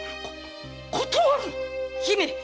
断る⁉姫！